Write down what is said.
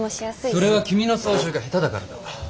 それは君の操縦が下手だからだ。